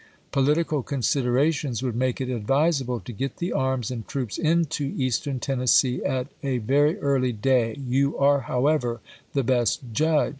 Po litical considerations would make it advisable to get the arms and troops into Eastern Tennessee at a very early day ; you are, however, the best judge.